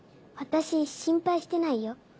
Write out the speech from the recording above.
私心配してないよ。